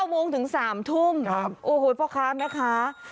๙โมงถึง๓ทุ่มโอ้โฮพอครับนะคะ